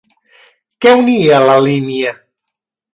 Què unia la línia?